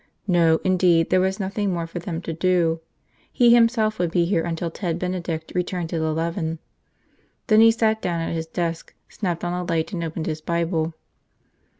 No, indeed, there was nothing more for them to do. He himself would be here until Ted Benedict returned at eleven. Then he sat down at his desk, snapped on a light, and opened his Bible.